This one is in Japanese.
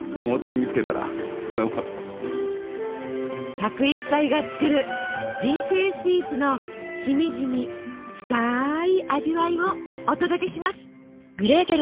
１０１歳が作る「人生スイーツ」のしみじみ深い味わいをお届けします。